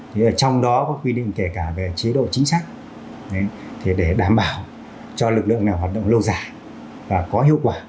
thì ở trong đó có quy định kể cả về chế độ chính sách để đảm bảo cho lực lượng này hoạt động lâu dài và có hiệu quả